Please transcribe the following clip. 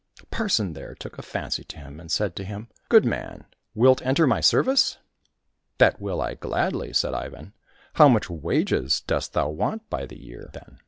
The parson there took a fancy to him, and said to him, " Good man ! wilt enter my service ?"—" That will I, gladly," said Ivan. —" How much wages dost thou want by the year 231 COSSACK FAIRY TALES then